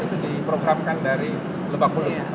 itu diprogramkan dari lebakulus